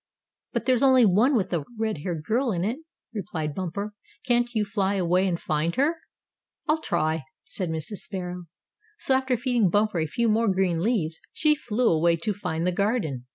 "But there's only one with a red haired girl in it," replied Bumper. "Can't you fly away, and find her?" "I'll try," said Mrs. Sparrow. So after feeding Bumper a few more green leaves, she flew away to find the garden.